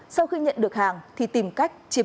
sau khi nhận được hàng thì tìm cách chiếm